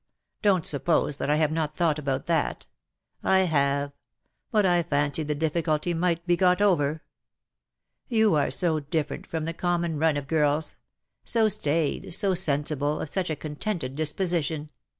Don't suppose that I have not thought about that. I have. But I fancied the difficulty might be got over. You are so different IN SOCIETY. 181 from the common run of girls — so staid, so sensible, of such a contented disposition.